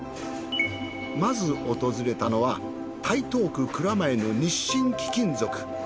まず訪れたのは台東区蔵前の日伸貴金属。